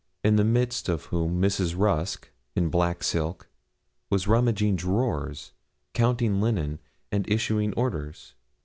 In the midst of whom Mrs. Rusk, in black silk, was rummaging drawers, counting linen, and issuing orders.